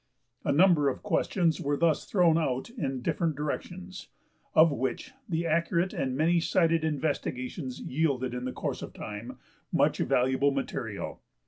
A number of questions were thus thrown out in different directions, of which the accurate and many sided investigations yielded in the course of time much valuable material.